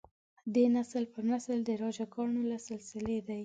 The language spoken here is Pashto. دی نسل پر نسل د راجه ګانو له سلسلې دی.